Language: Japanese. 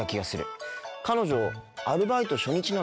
彼女アルバイト初日なのかな。